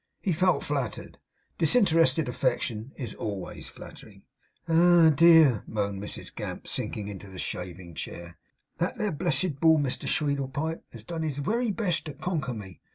He felt flattered. Disinterested affection is always flattering. 'Ah, dear!' moaned Mrs Gamp, sinking into the shaving chair, 'that there blessed Bull, Mr Sweedlepipe, has done his wery best to conker me.